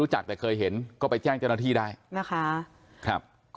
รู้จักแต่เคยเห็นก็ไปแจ้งเจ้าณที่ได้นะคะครับ